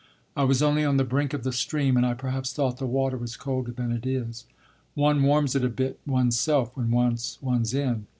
I was only on the brink of the stream and I perhaps thought the water colder than it is. One warms it a bit one's self when once one's in.